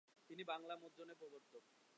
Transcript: তিনি বাংলা মুদ্রনের প্রবর্তক।